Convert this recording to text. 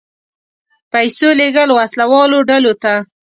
پیسو لېږل وسله والو ډلو ته.